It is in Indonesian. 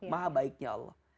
maha baiknya allah